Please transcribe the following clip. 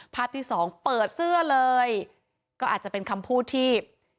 ภาพที่สองเปิดเสื้อเลยก็อาจจะเป็นคำพูดที่